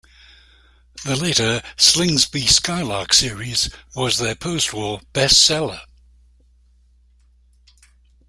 The later Slingsby Skylark series was their post war best seller.